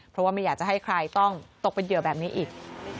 เพราะว่าไม่อยากจะให้ใครต้องตกเป็นเหยื่อแบบนี้อีก